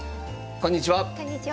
こんにちは。